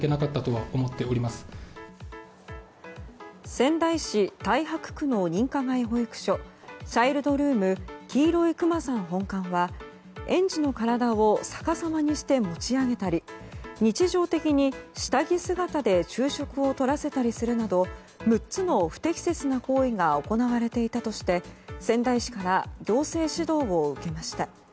仙台市太白区の認可外保育所チャイルドルームきいろいくまさん本館は園児の体を逆さまにして持ち上げたり日常的に下着姿で昼食をとらせたりするなど６つの不適切な行為が行われていたとして仙台市から行政指導を受けました。